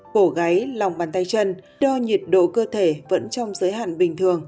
bổ gáy lòng bàn tay chân đo nhiệt độ cơ thể vẫn trong giới hạn bình thường